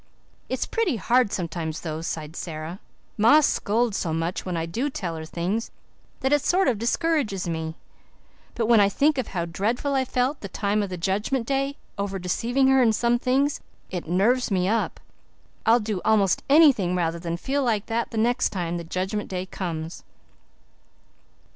"It's pretty hard sometimes, though," sighed Sara. "Ma scolds so much when I do tell her things, that it sort of discourages me. But when I think of how dreadful I felt the time of the Judgment Day over deceiving her in some things it nerves me up. I'd do almost anything rather than feel like that the next time the Judgment Day comes."